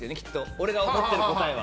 俺が思ってる答えは。